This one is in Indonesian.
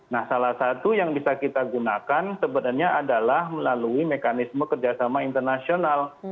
nah salah satu yang bisa kita gunakan sebenarnya adalah melalui mekanisme kerjasama internasional